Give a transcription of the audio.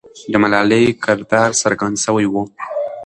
د ملالۍ کردار څرګند سوی وو.